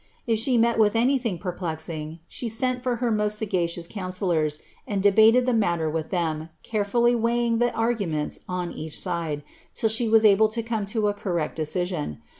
If she n with anything perplexing, she sent for hei most sagacious councilia and debated the matter with ihcm, carefully weighing the arguments* each side, till she was able to come lo a correct decision.